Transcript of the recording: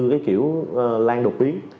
cái kiểu lan đột biến